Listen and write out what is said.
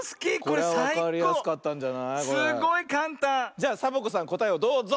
じゃサボ子さんこたえをどうぞ！